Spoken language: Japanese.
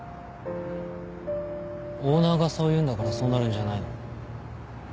オーナーがそう言うんだからそうなるんじゃないの？